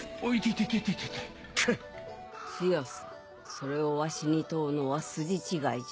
それをわしに問うのは筋違いじゃ。